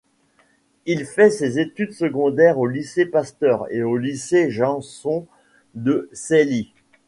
Il fait ses études secondaires au lycée Pasteur et au lycée Janson de Sailly.